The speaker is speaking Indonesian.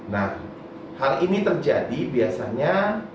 nah hal ini terjadi biasanya